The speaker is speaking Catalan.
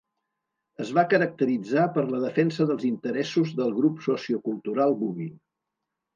Es va caracteritzar per la defensa dels interessos del grup sociocultural bubi.